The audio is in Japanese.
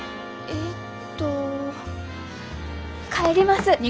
えっと帰ります。